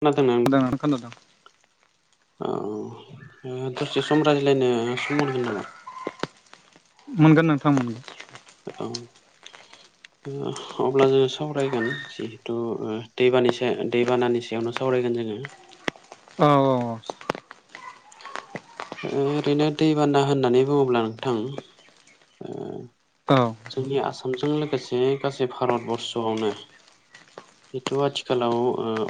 खोनादोंना नों? ओं नोंथां खोनादों। औ दसे ओ सम रायज्लायनो सम मोनगोन नामा? मोनगोन नोंथां मोनगोन। औ। [inaudible] अब्ला जोंङो सावरायगोन जिहेथु दैबानि सायाव दैबानानि सायावनो सावरायगोन जोंङो। औ औ ओरैनो दैबाना होननानै बुङोब्ला नोंथां औ जोंनि आसामजों लोगोसे गासै भारत बरर्स'आवनो जिथु आथिखालाव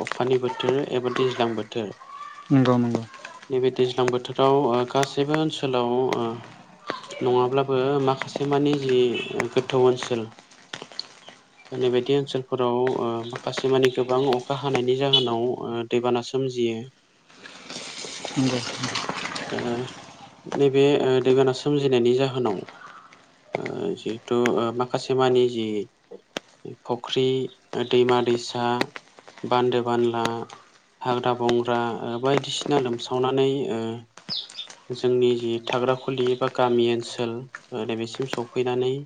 अखानि बोथोर एबा दैज्लां बोथोर नंगौ नंगौ नैबे दैज्लां बोथोराव ओ गासैबो ओनसोलाव ओ नङाब्लाबो माखासे मानि जि गोथौ ओनसोल [inaudible] नै बादि ओनसोलफोराव माखासे मानि गोबां अखा हानायनि जाहोनाव ओ दैबाना सोमजियो [inaudible] ओ नैबे दैबाना सोमजिनायनि जाहोनाव ओ जिहेथु माखासे मानि जि फुख्रि दैमा दैसा बान्दो बानला हाग्रा बंग्रा बायदिसिना लोमसावनानै ओ जोंनि जि थाग्रााखुलि एबा गामि ओनसोल ओरैबेसिम सफैनानै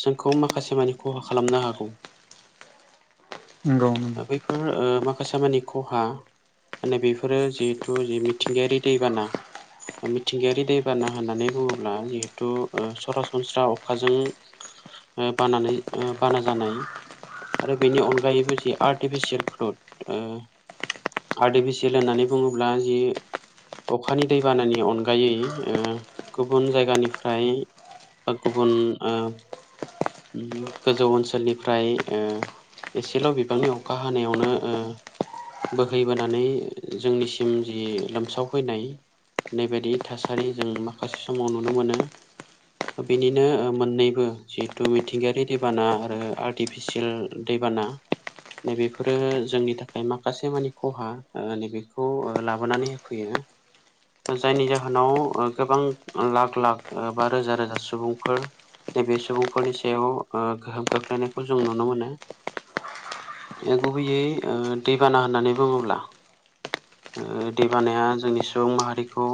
जोंखौ माखासे मानि खहा खालामनो हागौ। नंगौ नंगौ बेफोर माखासे मानि खहा माने बेफोरो जिहेतु जि मिथिंगायारि दैबाना मिथिंगायारि दैबाना होननानै बुङोब्ला जिहेतु ओ सरासनस्रा अखाजों बानानै बाना जानाय आरो बेनि अनगायैबो जे आर्टिफिसियेल फ्रुट ओ आर्टिफिसियेल होननानै बुङोब्ला जि अखानि दैबानानि अनगायै ओ गुबुन जायगानिफ्राय बा गुबुन ओ गोजौ ओनसोलनिफ्राय ओ एसेल' बिबांनि अखा हानायावनो ओ बोहैबोनानै जोंनिसिम जि लोमसावफैनाय नैबादि थासारि जों माखासे समाव नुनो मोनो। बेनिनो मोननैबो जिहेथु मिथिंगायारि दैबाना आरो आर्टिफिसियेल दैबाना नैबेफोरो जोंनि थाखाय माखासे मानि खहा नैबेखौ लाबोनानै फैयो जायनि जाहोनाव गोबां लाख लाख बा रोजा रोजा सु बुंफोर नैबे सुबुंफोरनि सायाव ओ गोहोम खोख्लैनायखौ जों नुनो मोनो। गुबैयै ओ दैबाना होननानै बुङोब्ला [inaudible] दै बानाया जोंनि सुबुं माहारिखौ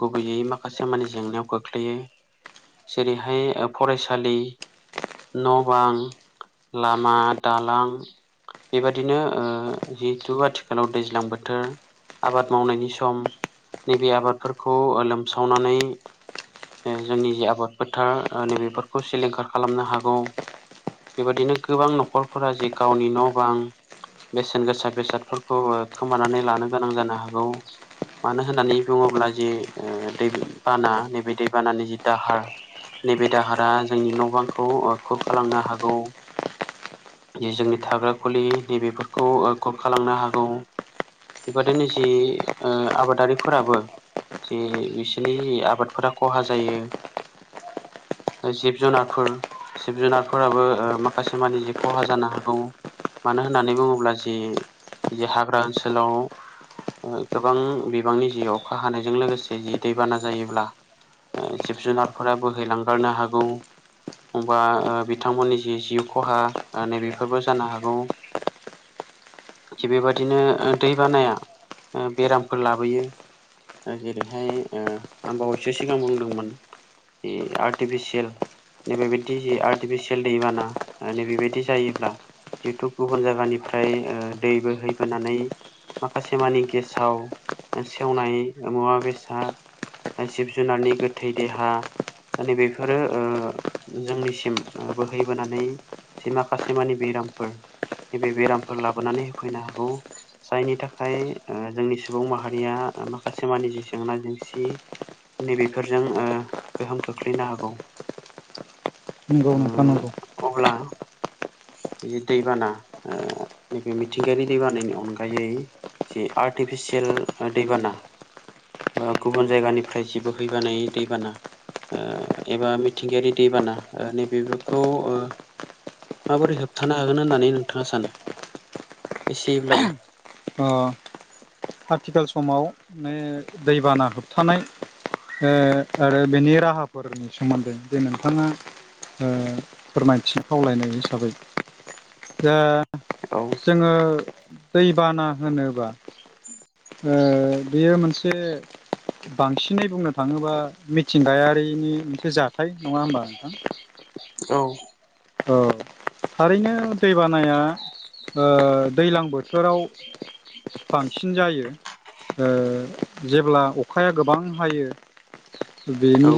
गुबैयै माखासे माने जेंनायाव खोख्लैयो जेरैहाय फरायसालि न' बां लामा दालां बेबादिनो जिहेतु आथिखालाव दैज्लां बोथोर आबाद मावनायनि सम नैबे आबादफोरखौ लोमसावनानै जोंनि जे आबाद फोथार नैबेफोरखौ सिलिंखार खालामनो हागौ बेबायदिनो गोबां न'खरफोरा जे गावनि न' बां बेसेन गोसा बेसादफोरखौ खोमानानै लानो गोनां जानो हागौ। मानो होननानै बुङोब्ला जि दैबाना नैबे दैबानानि जि दाहार नैबे दाहारा जोंनि न' बांखौ खुरखालांनो हागौ जोंनि थाग्रा खुलि नैबेफोरखौ खुरखालांनो हागौ। बेबादिनो जि ओ आबादारिफोराबो जि बिसोरनि आबादफोरा खहा जायो। जिब जुनारफोर जिब जुनारफोराबो ओ माखासे मानि जि खहा जानो हागौ। मानो होननानै बुङोब्ला जे हाग्रा ओनसोलाव गोबां बिबांनि जि अखा हानायजों लोगोसे जि दैबाना जायोब्ला जिब जुनारफोरा बोहैलांगारनो हागौ। होमबा ओ बिथांमोननि जि जिउ खहा ओ नैबेफोरबो जानो हागौ। थिग बेबादिनो ओ दैबानाया ओ बेरामफोर लाबोयो। ओ जेरैहाय ओ आं बावैसो सिगां बुंदोंमोन बे आर्टिफिसियेल नैबेबायदि जे आर्टिफिसियेल दैबाना ओ नैबेबायदि जायोब्ला जिहेथु गुबुन जायगानिफ्राय ओ दै बोहैबोनानै माखासे मानि गेसाव सेवनाय ओ मुवा बेसाद जिब जुनारनि गोथै देहा नैबेफोरो ओ जोंनिसिम ओ बोहैबोनानै जे माखासेमाने बेरामफोर नैबे बेरामफोर लाबोनानै होफैनो हागौ। जायनि थाखाय ओ जोंनि सुबुं माहारिया ओ माखासे माने जे जेंना जेंसि नैबेफोरजों ओ गोहोम खोख्लैनो हागौ नंगौ नोंथां नंगौ ओ अब्ला इ दैबाना ओ नैबे मिथिंगायारि दैबानानि अनगायै जे आर्टिफिसियेल ओ दैबाना बा गुबुन जायगानिफ्राय जे बोहैैबानाय दैबाना ओ एबा मिथिंगायारि दैबाना ओ नैबेफोरखौ ओ माबोरै होबथानो हागोन होननानै नोंथाङा सानो एसेब्लाबो? ओ आथिखाल समाव ने दैबाना होबथानाय ओ आरो बेनि राहाफोरनि सोमोन्दै जे नोंथाङा ओ फोरमायथि खावलायनाय हिसाबै दा औ जोङो बाना होनोबा ओ बेयो मोनसे बांसिनै बुंनो थाङोबा मिथिंगायारिनि मोनसे जाथाय नङा होमबा नोंथां? औ ओ थारैनो दैबानाया ओ दैलां बोथ थोराव बांसिन जायो। ओ जेब्ला अखाया गोबां हायो औ बेनि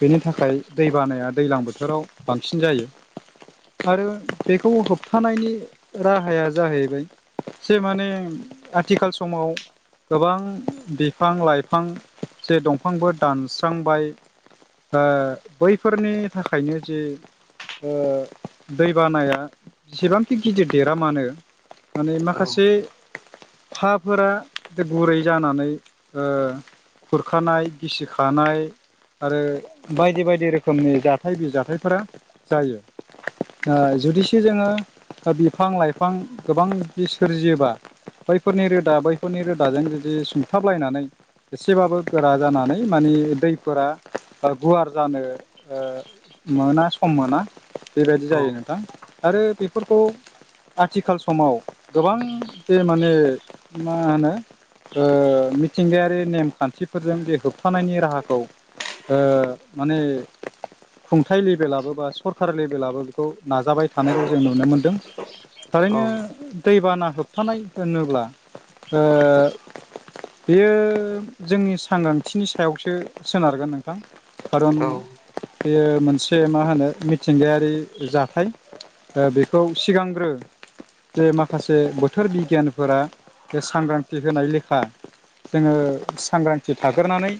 बेनि थाखाय दैबानाया दैलां बोथोराव बांसिन जायो। आरो बेखौ होबथानायनि राहाया जाहैबाय जे माने आथिखाल समाव गोबां बिफां लाइफां जे दंफांबो दानस्रांबाय। ओ बैफोरनि थाखायनो जे ओ दैबानाया जेसेबांखि गिदिर देरा मानो माने औ माखासे फाफोरा बे गुरै जानानै ओ खुरखानाय गिसिखानाय आरो बायदि बायदि रोखोमनि जाथाय बिजाथायफोरा जायो। ओ जुदिसे जोङो ओ बिफां लाइफां गोबांदि सोरजियोबा बैफोरनि रोदा बैफोरनि रोदाजों जुदि सुंथाबलायनानै एसेबाबो गोरा जानानै मानि दैफोरा बा गुवार जानो ओ मोना सम मोना बेबायदि जायो नोंथां आरो बेफोरखौ आथिखाल समाव गोबां बे माने मा होनो ओ मिथिंगायारि नेमखान्थिफोरजों बे होबथानायनि राहाखौ ओ माने खुंथाइ लेभेलाबो बा सरकार लेभेलाबो बेखौ नाजाबाय औ औ थानायखौ जों नुनो मोनदों। औ थारैनो दैबाना होबथानाय होनोब्ला ओ बेयो जोंनि सांग्रांथिनि सायावसो सोनारगोन नों थां खारन औ बेयो मोनसे मा होनो मिथिंगायारि जाथाय ओ बेखौ सिगांग्रो जे माखासे बोथोर बिगियानफोरा बे सांग्रांथि होनाय लेखा जोङो सांग्रांथि थाग्रोनै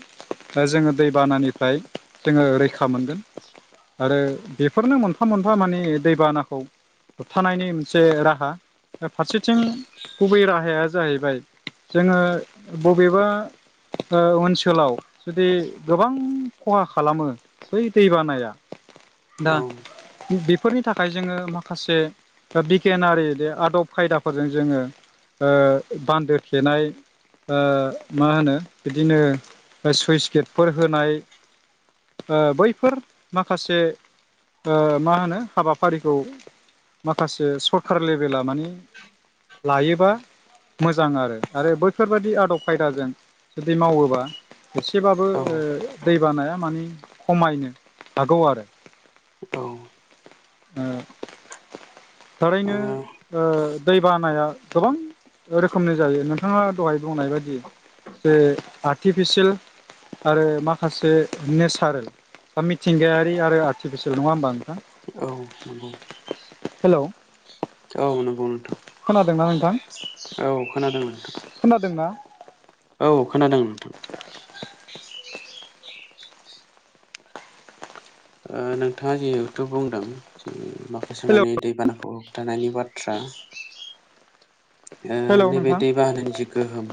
जोङो दैबानानिफ्राय जोङो रैख खा मोनगोन आरो बेफोरनो मोनफा मोनफा माने दैबानाखौ होबथानायनि मोनसे राहा। फारसेथिं गुबै राहाया जाहैबाय जोङो बबेबा ओ ओनसोलाव जुदि गोबां खहा खालामो बै दैबानाया दा औ बेफोरनि थाखाय जोङो माखासे बिगियानारि आदब खायदाफोरजों जोङो ओ बान्दो थेनाय ओ मा होनो बिदिनो सुइस गेटफोर होनाय। ओ बैफोर माखासे ओ मा होनो हाबाफारिखौ माखासे सरखार लेभेला माने लायोबा मोजां आरो। आरो बैफोरबाददि आदब खायदाजों जुदि मावोबा एसेबाबो ओ औ दैबानाया मानि खमायनो हागौ आरो। औ। ओ औ थारैनो ओ दै बानाया गोबां रोखोमनि जायो नोंथाङा दहाय बुंनाय बायदि जे आर्टिफिसियेल आरो माखासे नेचारेल बा मिथिंगायारि आरो आर्टिफिसियेल नङा होमबा नोंथां? औ नंगौ हेलौ औ नंगौ नोंथां। खोनादोंना नोंथां औ खोनादों नोंथां खोनादोंना औ खोनादों नोंथां। ओ नोंथाङा जिहेथु बुंदों जे माखासे हेलौ माने दैबानाखौ होबथानायनि बाथ्रा। ओ हेलौ नैबे नोंथां दै बानानि जि गोहोम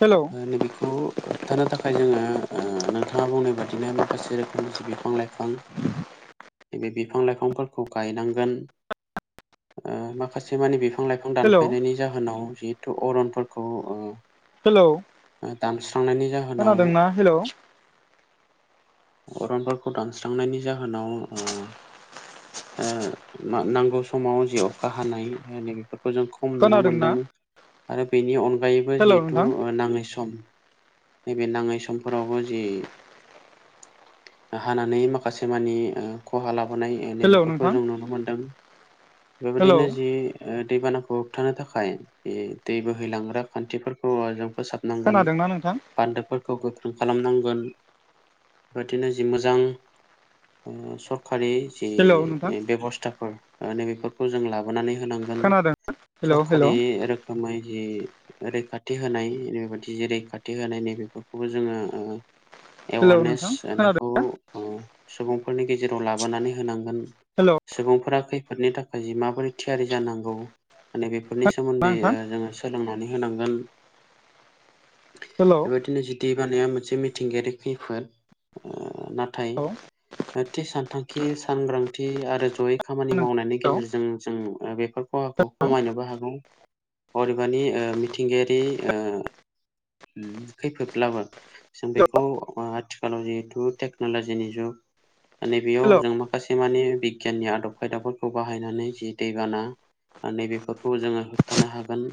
हेलौ ओ नैबेखौ होबथानो थाखाय जोङो ओ नोंथाङा बुंनाय बादिनो माखासे रोखोमनि जि बिफां लाइफां बे बिफां लाइफांफोरखौ गायनांगोन ओ माखासे मानि बिफां लाइफां हेलौ दानफायनायनि जाहोनाव जिहेथु अरनफोरखौ ओ हेलौ दानस्रांनायनि जाहोनाव खोनादोंना हेलौ? अरनफोरखौ दानस्रांनायनि जाहोनाव ओ ओ नांगौ समाव जि अखा हानाय नै बेफोरखौ जों न खोनादोंना मोनदाङो आरो बेनि अनगायैबो हेलौ जिहेथु नोंथां नाङै सम नैबे नाङै समफोरावबो जि हानानै माखासे मानि ओ खहा लाबोनाय हेलौ नैबेफोरखौ नोंथां जों नुनो मोनदों हेलौ बेबायदिनो जि ओ दैबानाखौ होबथानो थाखाय इ दै बोहैलांग्रा खान्थिफोरखौ जों फोसाब नांगोन खोनादोंना नोंथां बान्दोफोरखौ गोख्रों खालामनांगोन। बेबादिनो जि मोजां ओ सरखारि जि हेलौ नोंथां बेब'स्थाफोर ओ नैबेफोरखौ जों लाबोनानै होनांगोन। खोनादों हेलौ सरखारि हेलौ रोखोमै जि रैखाथि होनाय नैबेबादि जि रैखाथि होनाय नैबेफोरखौबो जोङो ओ हेलौ एवारनेस नोंथां होनायखौ खोनादों ओ सुबुंफोरनि गेजेराव लाबोनानै होनांगोन। हेलौ सुबुंफोरा खैफोदनि थाखाय जि माबोरै थियारि जानांगौ। माने बेफोरनि सोमोन्दै नोंथां ओ जोङो सोलोंनानै होनांगोन। हेलौ बेबायदिनो जि दै बानाया मोनसे मिथिंगायारि खैफोद। ओ नाथाय औ थि सानथांखि सांग्रांथि आरो जयै खामानि मावनायनि हेलौ गेजेरजों जों बेफोर खहाखौ खमायनोबो हागौ अरिबानि मिथिंगायारि ओ खैफोदब्लाबो जों हेल' बेखौ आथिखालाव जिहेथु टेक्न'लजिनि जुग। हेल' नैबेयाव जों माखासे मानि बिगियाननि आदब खायदाफोरखौ बाहायनानै जि दैबाना नैबेफोरखौ जोङो होबथानो हागोन।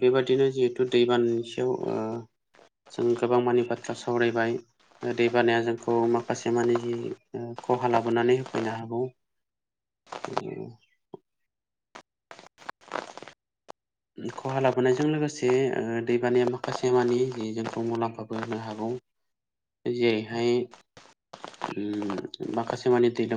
बेबादिनो जिहेथु दैबान सायाव ओ जों गोबां मानि बाथ्रा सावरायबाय। दैबानाया जोंखौ माखासे मानि जि खहा लाबोनानै होफैनो हागौ। [unintelligible] खहा लाबोनायजों ओ लोगोसे दैबानाया माखासे मानि जोंखौ मुलाम्फाबो होनो हागौ। जेरैहाय माखासे उम माने दै